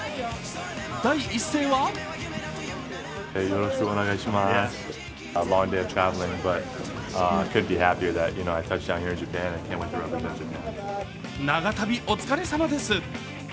第一声は長旅、お疲れさまです。